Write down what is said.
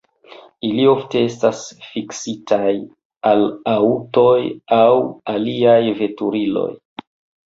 Ili ofte estas fiksitaj al aŭtoj aŭ aliaj veturiloj.